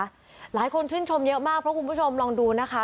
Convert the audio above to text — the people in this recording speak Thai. หลายคนชื่นชมเยอะมากเพราะคุณผู้ชมลองดูนะคะ